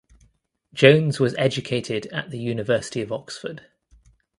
Jones was educated at the University of Oxford.